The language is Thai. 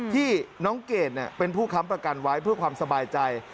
ที่น้องเกดเป็นผู้ค้ำประกันไว้เพื่อความสบายใจ